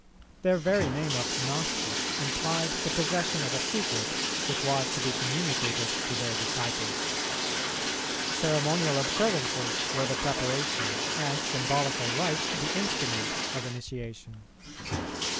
Their very name of "Gnostic" implied the possession of a secret, which was to be communicated to their disciples. Ceremonial observances were the preparation, and symbolical rites the instrument, of initiation.